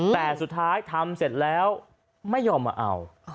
แต่สุดท้ายทำเสร็จแล้วไม่ยอมมาเอา